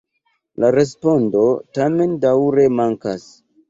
La respondo tamen daŭre mankas.